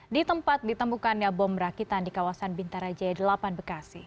di tempat ditemukan bom rakitan di kawasan bintarajaya delapan bekasi